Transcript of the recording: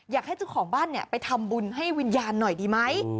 อยากให้เจ้าของบ้านไปทำบุญให้วิญญาณหน่อยดีไหม